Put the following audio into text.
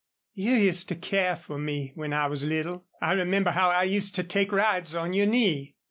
"You used to care for me when I was little. I remember how I used to take rides on your knee."